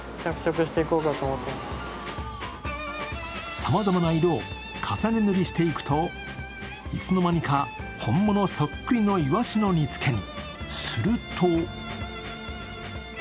様々な色を重ね塗りしていくと、いつの間にか本物そっくりのいわしの煮つけに。